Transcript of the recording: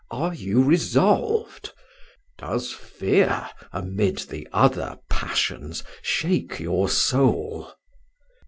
"Are you resolved? Does fear, amid the other passions, shake your soul?"